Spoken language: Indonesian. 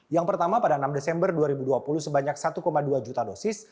yang pertama pada enam desember dua ribu dua puluh sebanyak satu dua juta dosis